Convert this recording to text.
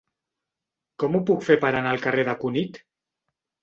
Com ho puc fer per anar al carrer de Cunit?